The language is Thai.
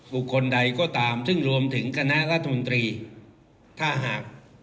บุคคลใดก็ตามซึ่งรวมถึงคณะรัฐมนตรีถ้าหาก